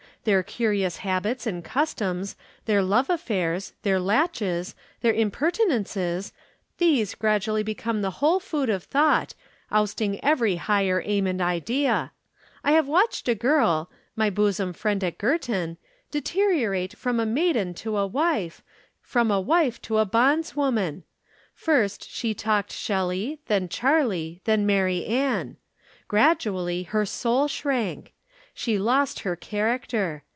Their curious habits and customs, their love affairs, their laches, their impertinences, these gradually become the whole food of thought, ousting every higher aim and idea. I have watched a girl my bosom friend at Girton deteriorate from a maiden to a wife, from a wife to a bondswoman. First she talked Shelley, then Charley, then Mary Ann. Gradually her soul shrank. She lost her character.